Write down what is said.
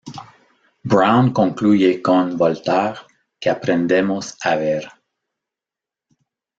Brown concluye, con Voltaire, que aprendemos a ver.